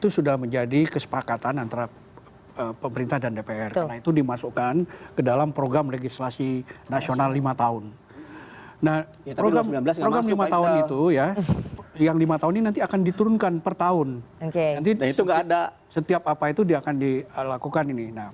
setiap apa itu akan dilakukan